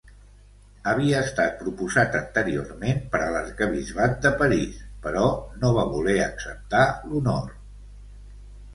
Havia estat proposat anteriorment per a l'arquebisbat de París, però no va voler acceptar l'honor.